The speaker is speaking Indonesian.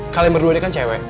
kalian berduanya kan cewek